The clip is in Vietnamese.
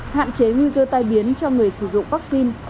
hạn chế nguy cơ tai biến cho người sử dụng vaccine